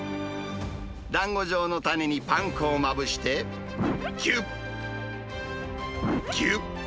だんご状のたねにパン粉をまぶして、ぎゅっ、ぎゅっ。